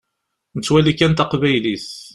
Nettwali kan taqbaylit.